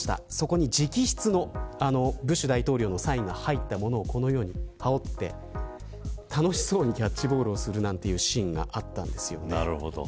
そこにブッシュ大統領の直筆のサインが入ったものをこのように羽織って楽しそうにキャッチボールをするシーンがあったんですよね。